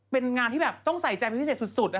เป็นงานที่แบบต้องใส่ใจพิเศษสุดนะคะ